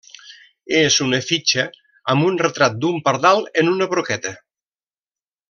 És una fitxa amb un retrat d'un pardal en una broqueta.